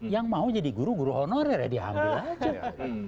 yang mau jadi guru guru honorer ya diambil aja